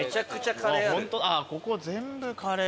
ここ全部カレー。